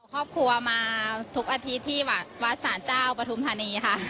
ครอบครัวมาทุกอาทิตย์ที่วัดศาลเจ้าปฐุมธานีค่ะ